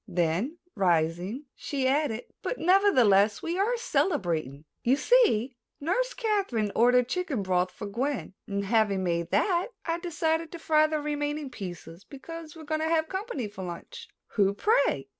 Then, rising, she added: "But, nevertheless, we are celebrating. You see, Nurse Kathryn ordered chicken broth for Gwen and, having made that, I decided to fry the remaining pieces because we are going to have company for lunch." "Who, pray?"